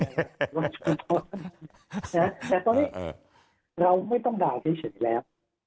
แต่ตอนนี้เราไม่ต้องด่าเฉยแล้ว